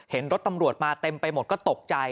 เห็นรถตำรวจมาเต็มไปหมดก็ตกใจ